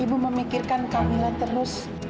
ibu memikirkan kamila terus